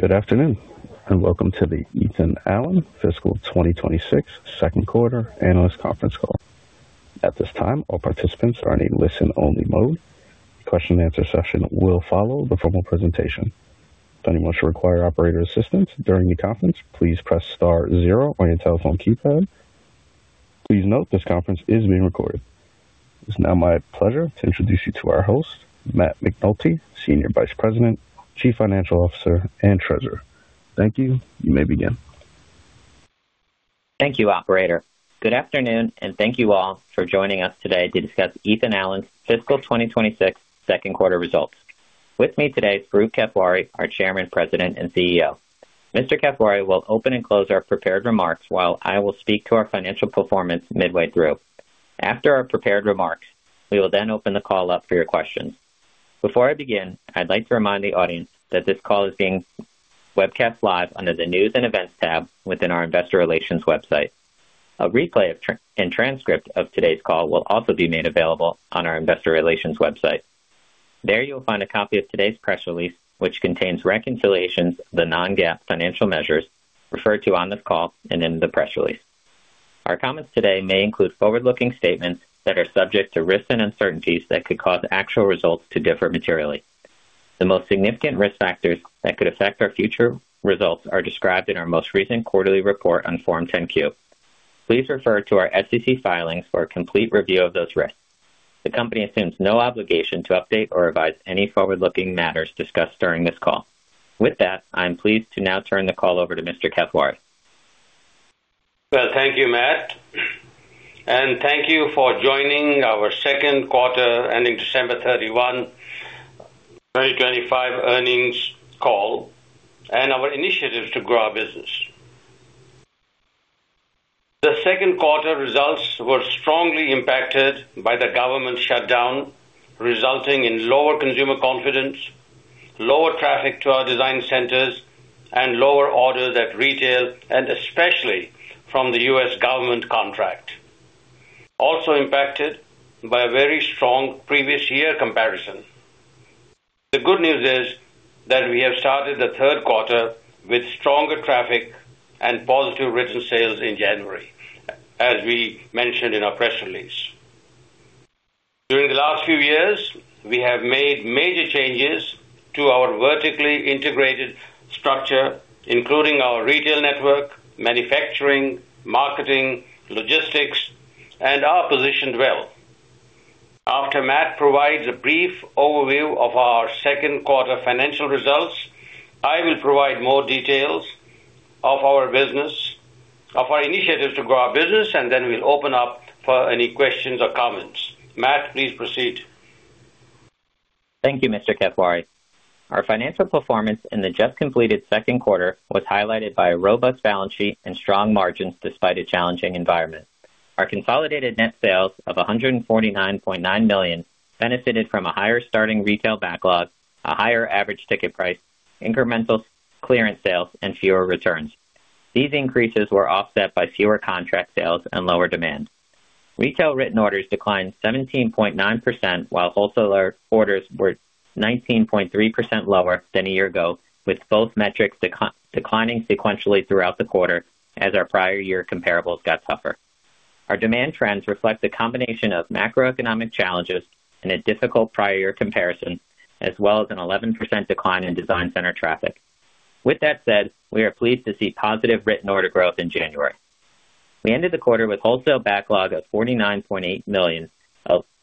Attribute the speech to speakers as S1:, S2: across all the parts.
S1: Good afternoon, and welcome to the Ethan Allen Fiscal 2026 Second Quarter Analyst Conference Call. At this time, all participants are in a listen-only mode. Question and answer session will follow the formal presentation. If anyone should require operator assistance during the conference, please press star zero on your telephone keypad. Please note, this conference is being recorded. It's now my pleasure to introduce you to our host, Matt McNulty, Senior Vice President, Chief Financial Officer, and Treasurer. Thank you. You may begin.
S2: Thank you, operator. Good afternoon, and thank you all for joining us today to discuss Ethan Allen's fiscal 2026 second quarter results. With me today, Farooq Kathwari, our Chairman, President, and CEO. Mr. Kathwari will open and close our prepared remarks, while I will speak to our financial performance midway through. After our prepared remarks, we will then open the call up for your questions. Before I begin, I'd like to remind the audience that this call is being webcast live under the News and Events tab within our Investor Relations website. A replay and transcript of today's call will also be made available on our Investor Relations website. There you will find a copy of today's press release, which contains reconciliations of the non-GAAP financial measures referred to on this call and in the press release. Our comments today may include forward-looking statements that are subject to risks and uncertainties that could cause actual results to differ materially. The most significant risk factors that could affect our future results are described in our most recent quarterly report on Form 10-Q. Please refer to our SEC filings for a complete review of those risks. The company assumes no obligation to update or revise any forward-looking matters discussed during this call. With that, I'm pleased to now turn the call over to Mr. Kathwari.
S3: Well, thank you, Matt, and thank you for joining our second quarter, ending December 31, 2025 earnings call and our initiatives to grow our business. The second quarter results were strongly impacted by the government shutdown, resulting in lower consumer confidence, lower traffic to our design centers, and lower orders at retail, and especially from the U.S. government contract. Also impacted by a very strong previous year comparison. The good news is that we have started the third quarter with stronger traffic and positive written sales in January, as we mentioned in our press release. During the last few years, we have made major changes to our vertically integrated structure, including our retail network, manufacturing, marketing, logistics, and are positioned well. After Matt provides a brief overview of our second quarter financial results, I will provide more details of our business, of our initiatives to grow our business, and then we'll open up for any questions or comments. Matt, please proceed.
S2: Thank you, Mr. Kathwari. Our financial performance in the just completed second quarter was highlighted by a robust balance sheet and strong margins, despite a challenging environment. Our consolidated net sales of $149.9 million benefited from a higher starting retail backlog, a higher average ticket price, incremental clearance sales, and fewer returns. These increases were offset by fewer contract sales and lower demand. Retail written orders declined 17.9%, while wholesaler orders were 19.3% lower than a year ago, with both metrics declining sequentially throughout the quarter as our prior year comparables got tougher. Our demand trends reflect a combination of macroeconomic challenges and a difficult prior year comparison, as well as an 11% decline in design center traffic. With that said, we are pleased to see positive written order growth in January. We ended the quarter with wholesale backlog of $49.8 million.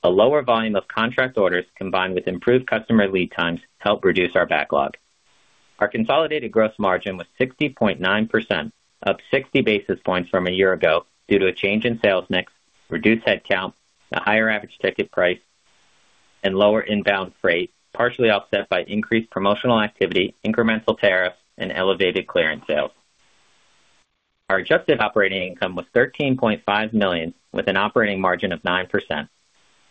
S2: A lower volume of contract orders, combined with improved customer lead times, helped reduce our backlog. Our consolidated gross margin was 60.9%, up 60 basis points from a year ago due to a change in sales mix, reduced headcount, a higher average ticket price, and lower inbound freight, partially offset by increased promotional activity, incremental tariffs, and elevated clearance sales. Our adjusted operating income was $13.5 million, with an operating margin of 9%.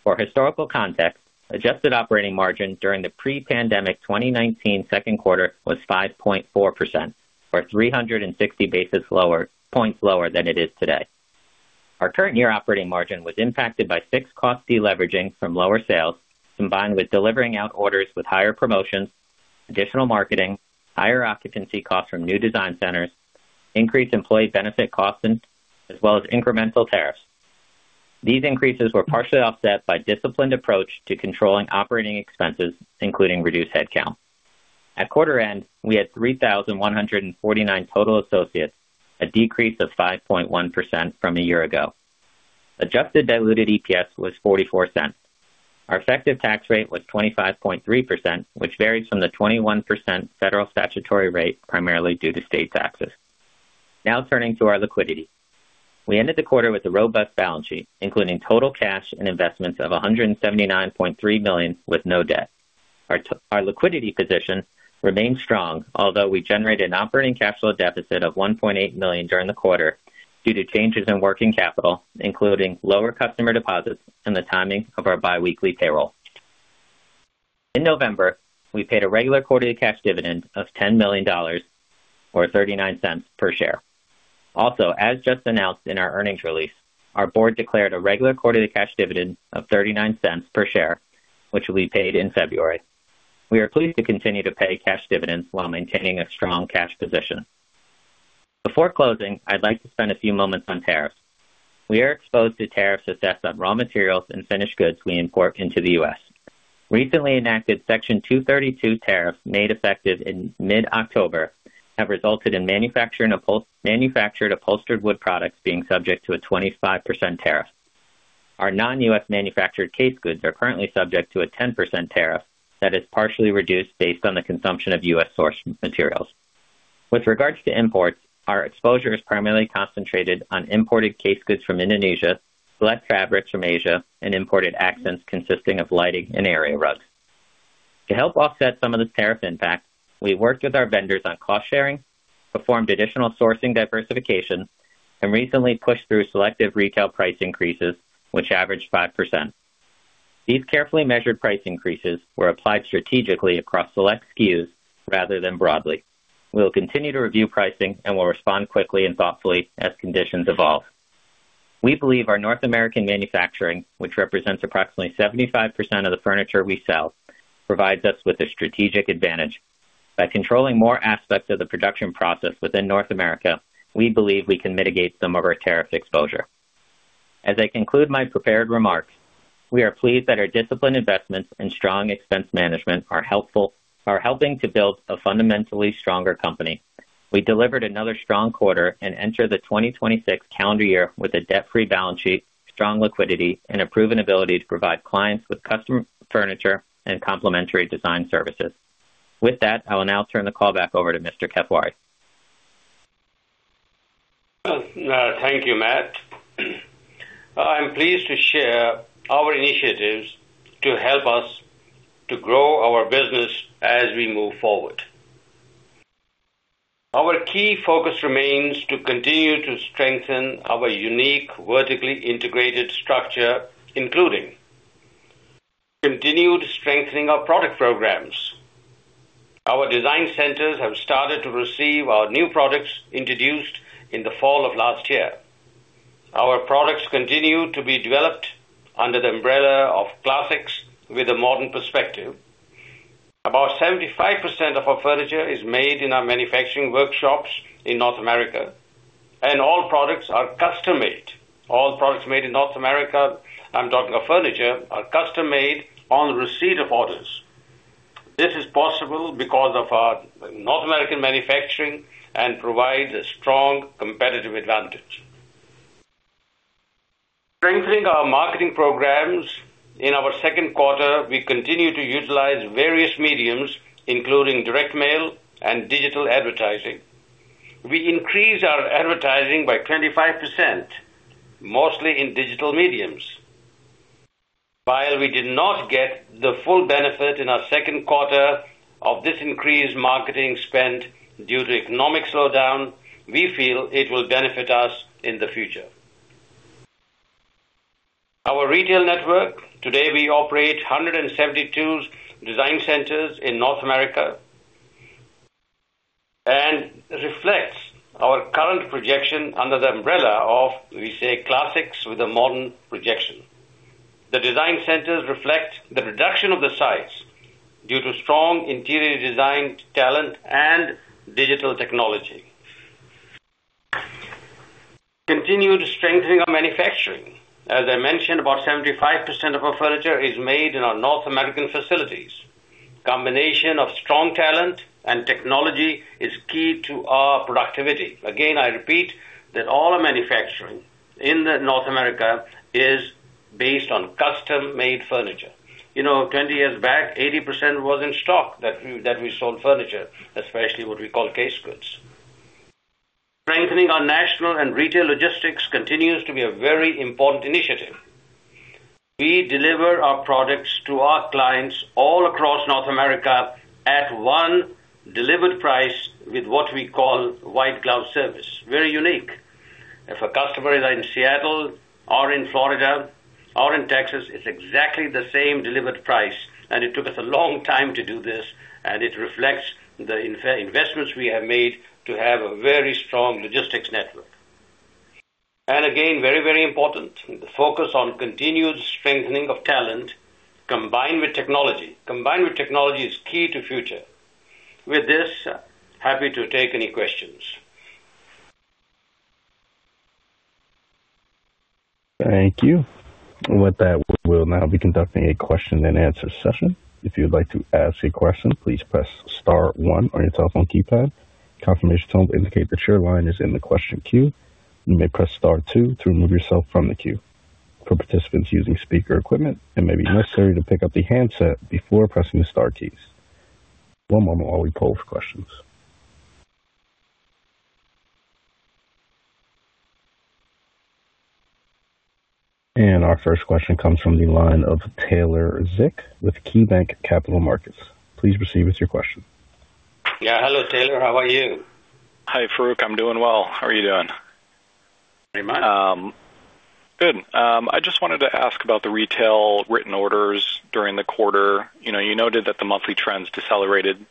S2: For historical context, adjusted operating margin during the pre-pandemic 2019 second quarter was 5.4%, or 360 basis points lower than it is today. Our current year operating margin was impacted by fixed cost deleveraging from lower sales, combined with delivering out orders with higher promotions, additional marketing, higher occupancy costs from new design centers, increased employee benefit costs, as well as incremental tariffs. These increases were partially offset by disciplined approach to controlling operating expenses, including reduced headcount. At quarter end, we had 3,149 total associates, a decrease of 5.1% from a year ago. Adjusted diluted EPS was $0.44. Our effective tax rate was 25.3%, which varies from the 21% federal statutory rate, primarily due to state taxes. Now, turning to our liquidity. We ended the quarter with a robust balance sheet, including total cash and investments of $179.3 million with no debt. Our liquidity position remains strong, although we generated an operating capital deficit of $1.8 million during the quarter due to changes in working capital, including lower customer deposits and the timing of our biweekly payroll. In November, we paid a regular quarterly cash dividend of $10 million, or $0.39 per share. Also, as just announced in our earnings release, our board declared a regular quarterly cash dividend of $0.39 per share, which will be paid in February. We are pleased to continue to pay cash dividends while maintaining a strong cash position. Before closing, I'd like to spend a few moments on tariffs. We are exposed to tariffs assessed on raw materials and finished goods we import into the U.S. Recently enacted Section 232 tariffs, made effective in mid-October, have resulted in fully manufactured upholstered wood products being subject to a 25% tariff. Our non-U.S. manufactured case goods are currently subject to a 10% tariff that is partially reduced based on the consumption of U.S.-sourced materials. With regards to imports, our exposure is primarily concentrated on imported case goods from Indonesia, select fabrics from Asia, and imported accents consisting of lighting and area rugs. To help offset some of this tariff impact, we worked with our vendors on cost sharing, performed additional sourcing diversification, and recently pushed through selective retail price increases, which averaged 5%. These carefully measured price increases were applied strategically across select SKUs rather than broadly. We will continue to review pricing and will respond quickly and thoughtfully as conditions evolve. We believe our North American manufacturing, which represents approximately 75% of the furniture we sell, provides us with a strategic advantage. By controlling more aspects of the production process within North America, we believe we can mitigate some of our tariff exposure. As I conclude my prepared remarks, we are pleased that our disciplined investments and strong expense management are helpful, are helping to build a fundamentally stronger company. We delivered another strong quarter and enter the 2026 calendar year with a debt-free balance sheet, strong liquidity, and a proven ability to provide clients with custom furniture and complimentary design services. With that, I will now turn the call back over to Mr. Kathwari.
S3: Well, thank you, Matt. I'm pleased to share our initiatives to help us to grow our business as we move forward. Our key focus remains to continue to strengthen our unique, vertically integrated structure, including: continued strengthening our product programs. Our design centers have started to receive our new products introduced in the fall of last year. Our products continue to be developed under the umbrella of Classics with a Modern Perspective. About 75% of our furniture is made in our manufacturing workshops in North America, and all products are custom made. All products made in North America, I'm talking of furniture, are custom made on the receipt of orders. This is possible because of our North American manufacturing and provides a strong competitive advantage. Strengthening our marketing programs. In our second quarter, we continued to utilize various mediums, including direct mail and digital advertising. We increased our advertising by 25%, mostly in digital media. While we did not get the full benefit in our second quarter of this increased marketing spend due to economic slowdown, we feel it will benefit us in the future. Our retail network. Today, we operate 172 design centers in North America and reflects our current projection under the umbrella of, we say, Classics with a Modern Perspective. The design centers reflect the reduction of the size due to strong interior design talent and digital technology. Continued strengthening of manufacturing. As I mentioned, about 75% of our furniture is made in our North American facilities. Combination of strong talent and technology is key to our productivity. Again, I repeat that all our manufacturing in the North America is based on custom-made furniture. You know, 20 years back, 80% was in stock that we, that we sold furniture, especially what we call case goods. Strengthening our national and retail logistics continues to be a very important initiative. We deliver our products to our clients all across North America at one delivered price with what we call white glove service. Very unique. If a customer is in Seattle or in Florida or in Texas, it's exactly the same delivered price, and it took us a long time to do this, and it reflects the investments we have made to have a very strong logistics network. And again, very, very important, the focus on continued strengthening of talent combined with technology. Combined with technology is key to future. With this, happy to take any questions.
S1: Thank you. With that, we will now be conducting a question-and-answer session. If you would like to ask a question, please press star one on your telephone keypad. Confirmation tone to indicate that your line is in the question queue. You may press star two to remove yourself from the queue. For participants using speaker equipment, it may be necessary to pick up the handset before pressing the star keys. One moment while we pull for questions. Our first question comes from the line of Taylor Zick with KeyBanc Capital Markets. Please proceed with your question.
S3: Yeah. Hello, Taylor. How are you?
S4: Hi, Farooq. I'm doing well. How are you doing?... Very much. Good. I just wanted to ask about the retail written orders during the quarter. You know, you noted that the monthly trends decelerated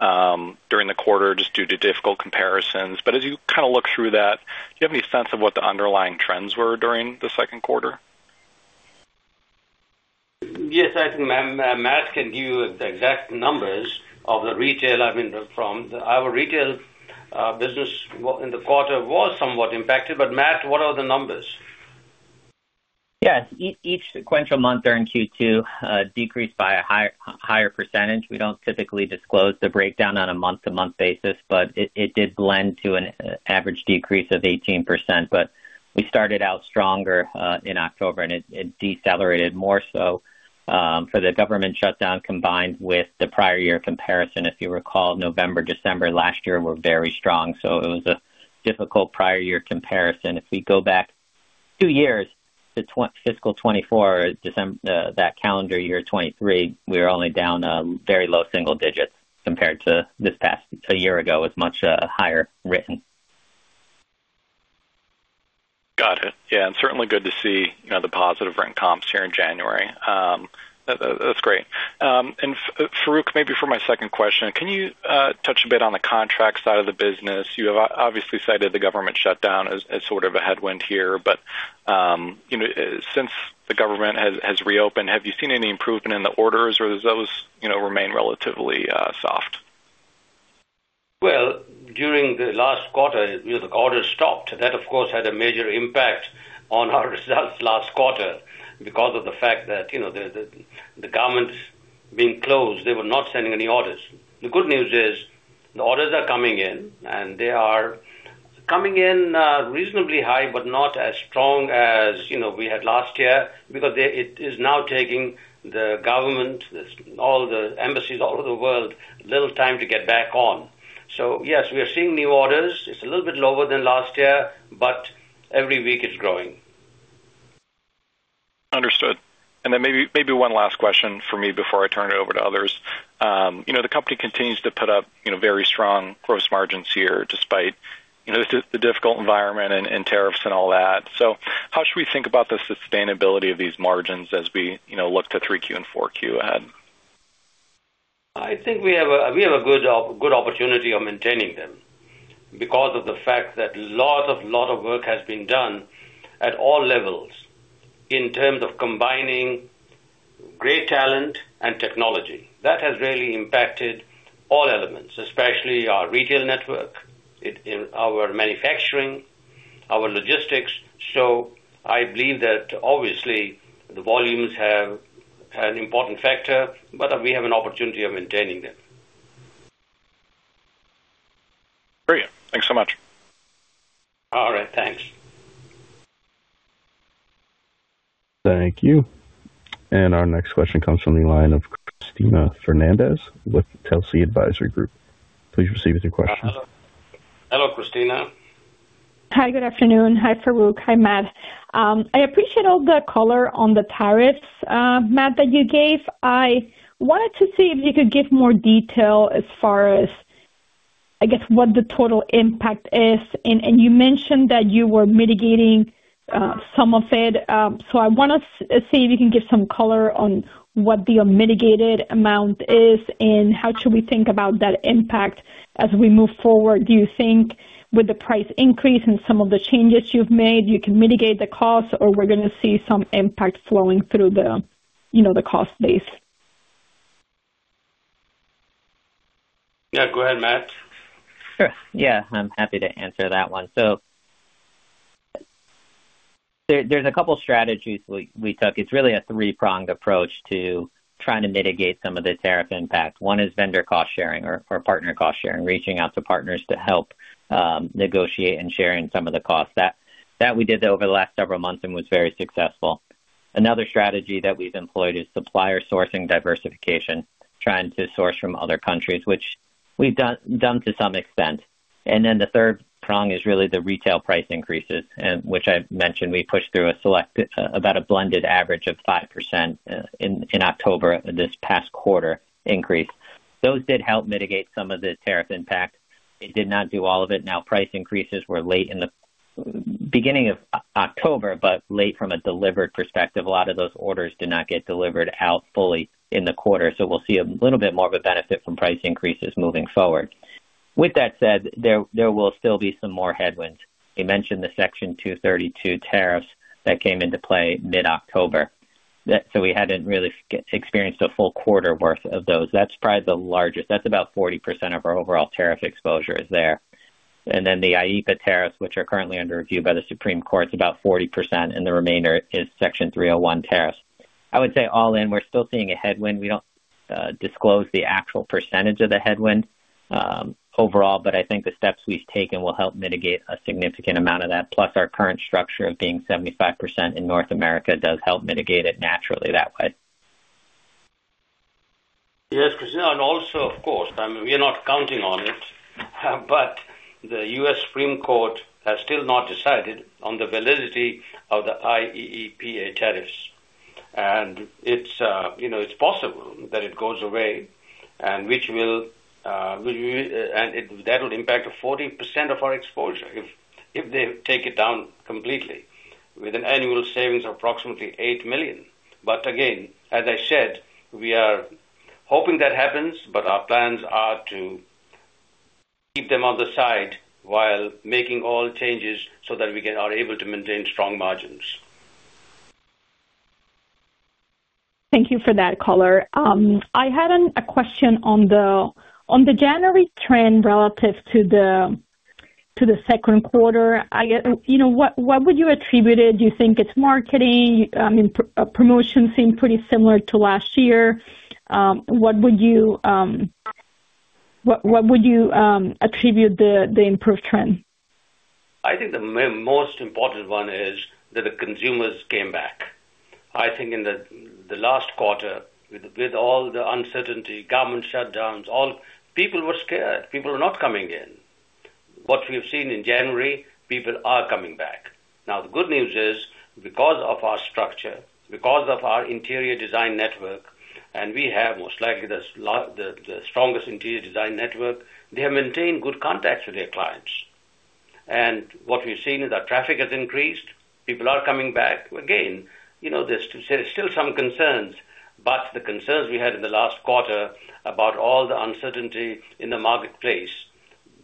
S4: during the quarter just due to difficult comparisons. But as you kind of look through that, do you have any sense of what the underlying trends were during the second quarter?
S3: Yes, I think Matt can give you the exact numbers of the retail. I mean, from our retail business in the quarter was somewhat impacted, but Matt, what are the numbers?
S2: Yes. Each sequential month during Q2 decreased by a higher percentage. We don't typically disclose the breakdown on a month-to-month basis, but it did blend to an average decrease of 18%. We started out stronger in October, and it decelerated more so for the government shutdown, combined with the prior year comparison. If you recall, November, December last year were very strong, so it was a difficult prior year comparison. If we go back two years to fiscal 2024, December that calendar year 2023, we were only down a very low single digits compared to this past a year ago, with much higher written.
S4: Got it. Yeah, and certainly good to see, you know, the positive written comps here in January. That, that's great. And Farooq, maybe for my second question, can you touch a bit on the contract side of the business? You have obviously cited the government shutdown as, as sort of a headwind here, but, you know, since the government has, has reopened, have you seen any improvement in the orders, or those, you know, remain relatively soft?
S3: Well, during the last quarter, the orders stopped. That, of course, had a major impact on our results last quarter because of the fact that, you know, the government being closed, they were not sending any orders. The good news is, the orders are coming in, and they are coming in reasonably high, but not as strong as, you know, we had last year because they, it is now taking the government, all the embassies, all over the world, little time to get back on. So yes, we are seeing new orders. It's a little bit lower than last year, but every week it's growing.
S4: Understood. And then maybe, maybe one last question for me before I turn it over to others. You know, the company continues to put up, you know, very strong gross margins here, despite, you know, the, the difficult environment and, and tariffs and all that. So how should we think about the sustainability of these margins as we, you know, look to 3Q and 4Q ahead?
S3: I think we have a good opportunity of maintaining them because of the fact that a lot of work has been done at all levels in terms of combining great talent and technology. That has really impacted all elements, especially our retail network in our manufacturing, our logistics. So I believe that obviously the volumes have an important factor, but we have an opportunity of maintaining them.
S4: Great. Thanks so much.
S3: All right. Thanks.
S1: Thank you. And our next question comes from the line of Cristina Fernández with Telsey Advisory Group. Please proceed with your question.
S3: Hello, Cristina.
S5: Hi, good afternoon. Hi, Farooq. Hi, Matt. I appreciate all the color on the tariffs, Matt, that you gave. I wanted to see if you could give more detail as far as, I guess, what the total impact is. And you mentioned that you were mitigating some of it. So I want to see if you can give some color on what the unmitigated amount is and how should we think about that impact as we move forward. Do you think with the price increase and some of the changes you've made, you can mitigate the costs, or we're going to see some impact flowing through the, you know, the cost base?
S3: Yeah, go ahead, Matt.
S2: Sure. Yeah, I'm happy to answer that one. So there's a couple strategies we took. It's really a three-pronged approach to trying to mitigate some of the tariff impact. One is vendor cost sharing or partner cost sharing, reaching out to partners to help negotiate and sharing some of the costs. That we did over the last several months and was very successful. Another strategy that we've employed is supplier sourcing diversification, trying to source from other countries, which we've done to some extent. And then the third prong is really the retail price increases, and which I've mentioned, we pushed through a select, about a blended average of 5% in October, this past quarter increase. Those did help mitigate some of the tariff impact. It did not do all of it. Now, price increases were late in the beginning of October, but late from a delivered perspective. A lot of those orders did not get delivered out fully in the quarter, so we'll see a little bit more of a benefit from price increases moving forward. With that said, there will still be some more headwinds. You mentioned the Section 232 tariffs that came into play mid-October. So we hadn't really experienced a full quarter worth of those. That's probably the largest. That's about 40% of our overall tariff exposure is there. And then the IEEPA tariffs, which are currently under review by the Supreme Court, is about 40%, and the remainder is Section 301 tariffs. I would say all in, we're still seeing a headwind. We don't disclose the actual percentage of the headwind, overall, but I think the steps we've taken will help mitigate a significant amount of that, plus our current structure of being 75% in North America does help mitigate it naturally that way.
S3: Yes, Cristina, and also, of course, I mean, we are not counting on it, but the U.S. Supreme Court has still not decided on the validity of the IEEPA tariffs. And it's, you know, it's possible that it goes away, and that will impact 40% of our exposure if they take it down completely, with an annual savings of approximately $8 million. But again, as I said, we are hoping that happens, but our plans are to keep them on the side while making all changes so that we are able to maintain strong margins.
S5: Thank you for that color. I had a question on the January trend relative to the second quarter. You know, what would you attribute it? Do you think it's marketing? I mean, promotions seem pretty similar to last year. What would you attribute the improved trend?
S3: I think the most important one is that the consumers came back. I think in the last quarter, with all the uncertainty, government shutdowns, all, people were scared. People were not coming in. What we've seen in January, people are coming back. Now, the good news is, because of our structure, because of our interior design network, and we have most likely the strongest interior design network, they have maintained good contacts with their clients. And what we've seen is our traffic has increased. People are coming back. Again, you know, there's still some concerns, but the concerns we had in the last quarter about all the uncertainty in the marketplace,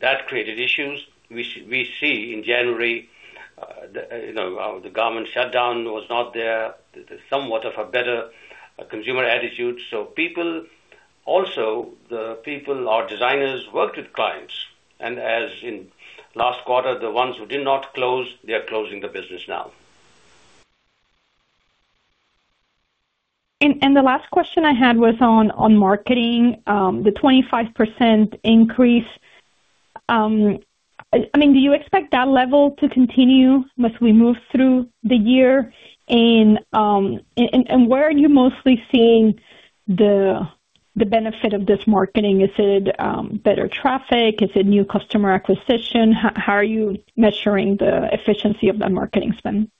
S3: that created issues. We see in January, you know, the government shutdown was not there, there's somewhat of a better consumer attitude. So, people also, the people, our designers, worked with clients, and as in last quarter, the ones who did not close, they are closing the business now.
S5: The last question I had was on marketing, the 25% increase. I mean, do you expect that level to continue as we move through the year? And where are you mostly seeing the benefit of this marketing? Is it better traffic? Is it new customer acquisition? How are you measuring the efficiency of that marketing spend?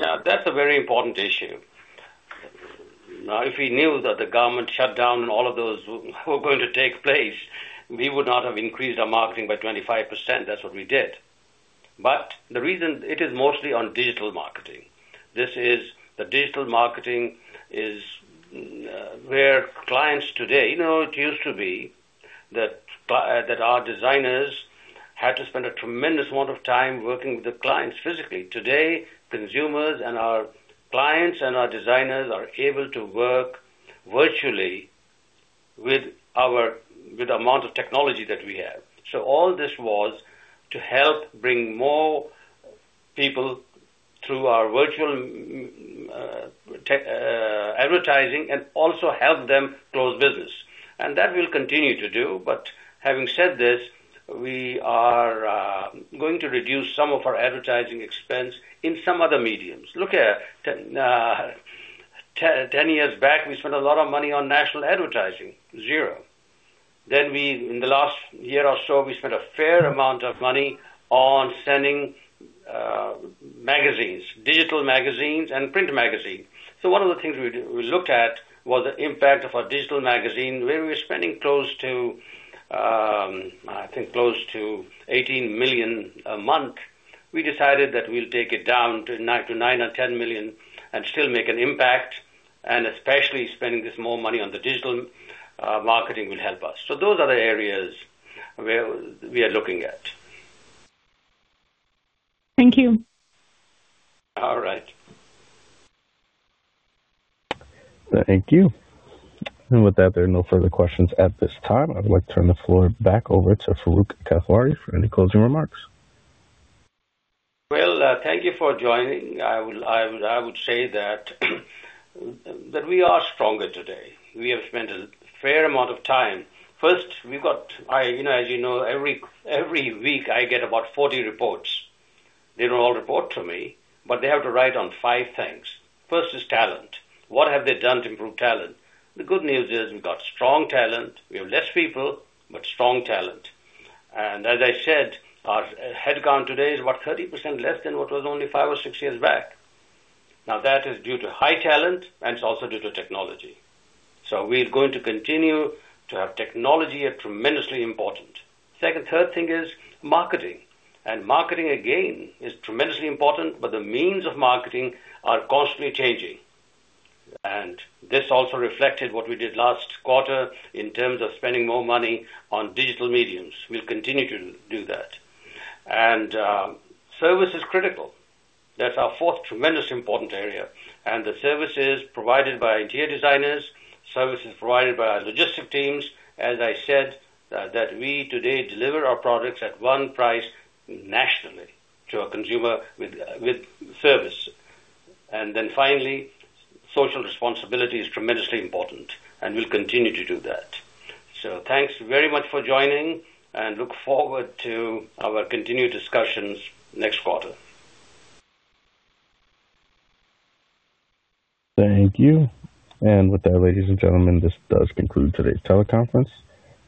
S3: Yeah, that's a very important issue. Now, if we knew that the government shutdown and all of those were going to take place, we would not have increased our marketing by 25%. That's what we did. But the reason it is mostly on digital marketing. This is the digital marketing is where clients today, you know, it used to be that our designers had to spend a tremendous amount of time working with the clients physically. Today, consumers and our clients and our designers are able to work virtually with the amount of technology that we have. So all this was to help bring more people through our virtual tech advertising and also help them close business. And that we'll continue to do. But having said this, we are going to reduce some of our advertising expense in some other mediums. Look at 10 years back, we spent a lot of money on national advertising, zero. Then we, in the last year or so, we spent a fair amount of money on sending magazines, digital magazines and print magazines. So one of the things we looked at was the impact of our digital magazine, where we're spending close to, I think close to $18 million a month. We decided that we'll take it down to $9 million-$10 million and still make an impact, and especially spending this more money on the digital marketing will help us. So those are the areas where we are looking at.
S5: Thank you.
S3: All right.
S1: Thank you. With that, there are no further questions at this time. I'd like to turn the floor back over to Farooq Kathwari for any closing remarks.
S3: Well, thank you for joining. I would say that we are stronger today. We have spent a fair amount of time. First, we've got, you know, as you know, every week I get about 40 reports. They don't all report to me, but they have to write on five things. First is talent. What have they done to improve talent? The good news is we've got strong talent. We have less people, but strong talent. And as I said, our headcount today is about 30% less than what was only five or six years back. Now, that is due to high talent, and it's also due to technology. So we're going to continue to have technology, a tremendously important. Second, third thing is marketing, and marketing, again, is tremendously important, but the means of marketing are constantly changing. This also reflected what we did last quarter in terms of spending more money on digital mediums. We'll continue to do that. Service is critical. That's our fourth tremendously important area, and the services provided by interior designers, services provided by our logistics teams, as I said, that we today deliver our products at one price nationally to our consumer with, with service. Then finally, social responsibility is tremendously important, and we'll continue to do that. So thanks very much for joining, and look forward to our continued discussions next quarter.
S1: Thank you. With that, ladies and gentlemen, this does conclude today's teleconference.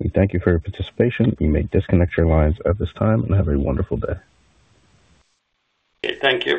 S1: We thank you for your participation. You may disconnect your lines at this time, and have a wonderful day.
S3: Thank you.